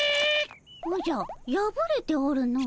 おじゃやぶれておるの。